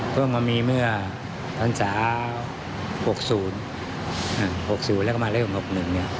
เพิ่มมามีเมื่อภาษา๖๐แล้วก็มาเริ่ม๖๑เนี่ย